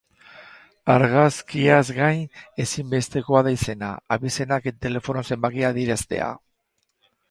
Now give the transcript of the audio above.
Argazkiaz gain, ezinbestekoa da izena, abizenak eta telefono zenbakia adieraztea.